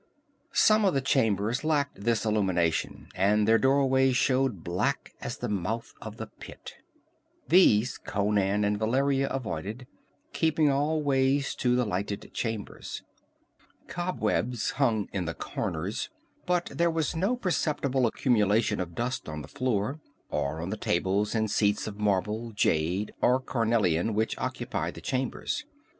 Some of the chambers lacked this illumination, and their doorways showed black as the mouth of the Pit. These Conan and Valeria avoided, keeping always to the lighted chambers. Cobwebs hung in the corners, but there was no perceptible accumulation of dust on the floor, or on the tables and seats of marble, jade or carnelian which occupied the chambers.